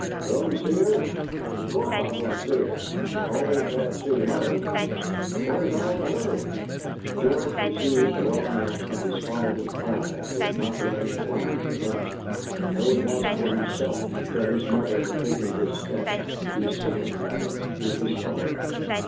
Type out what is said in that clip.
"Go and see her? Of course, I'll go and see her! Always glad to see your mother. But where's all the hurry?" George perceived well enough that his father's pride would not let him write to her, and though it was for himself that his mother had taken this step, he sympathised with his father.